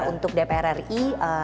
untuk dpr ri dua ribu sembilan belas